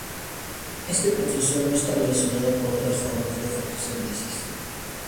Este proceso no está relacionado con otras formas de fotosíntesis.